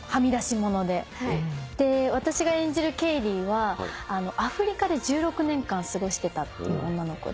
で私が演じるケイディはアフリカで１６年間過ごしてたっていう女の子で。